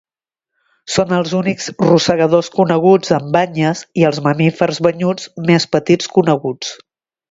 Són els únics rosegadors coneguts amb banyes i els mamífers banyuts més petits coneguts.